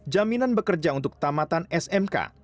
jaminan bekerja untuk tamatan smk